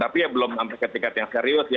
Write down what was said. tapi ya belum sampai ketika yang serius ya